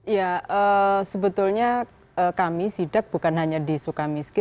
ya sebetulnya kami sidak bukan hanya di suka miskin